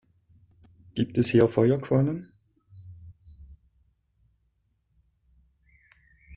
Gibt es hier Feuerquallen?